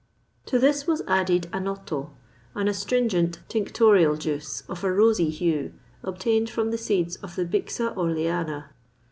To this was added annotto, an astringent tinctorial juice, of a rosy hue, obtained from the seeds of the Bixa Orleana.